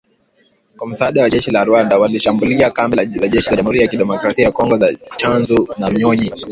Kwa msaada wa jeshi la Rwanda, walishambulia kambi za jeshi la Jamuhuri ya kidemokrasia ya kongo za Tchanzu na Runyonyi